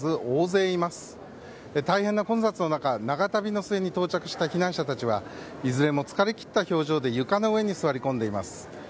大変な混雑の中長旅の末に到着した避難者はいずれも疲れ切った表情で床の上に座り込んでいます。